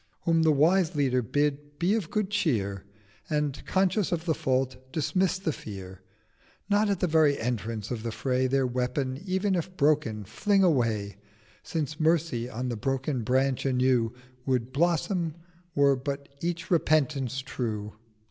Whom the wise Leader bid be of good cheer, And, conscious of the Fault, dismiss the Fear, Nor at the very Entrance of the Fray Their Weapon, ev'n if broken, fling away: Since Mercy on the broken Branch anew Would blossom were but each Repentance true.